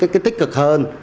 cái tích cực hơn